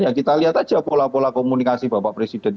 ya kita lihat aja pola pola komunikasi bapak presiden